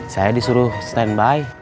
saya disuruh standby